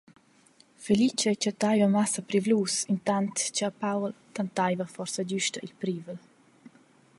Felice chattaiva massa privlus, intant cha a Paul tantaiva forsa güsta il privel.